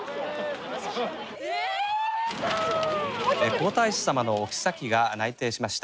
「皇太子さまのお妃が内定しました。